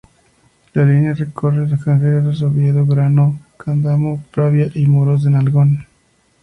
La línea recorre los concejos de Oviedo, Grado, Candamo, Pravia y Muros de Nalón.